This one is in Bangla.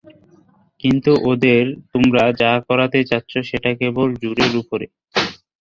কিন্তু ওদের তোমরা যা করাতে চাচ্ছ সেটা কেবল জোরের উপরে।